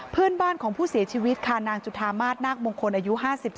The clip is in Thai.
เพื่อนบ้านของผู้เสียชีวิตค่ะนางจุธามาศนาคมงคลอายุ๕๓